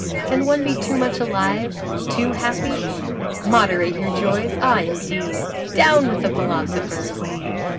Can one be too much alive, too happy? Moderate your joys. Ah, indeed! Down with the philosophers!